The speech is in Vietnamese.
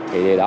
thì điều đó